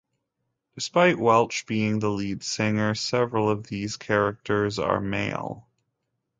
Despite Welch being the lead singer, several of these characters are male.